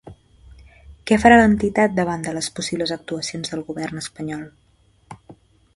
Què farà l’entitat davant de les possibles actuacions del govern espanyol?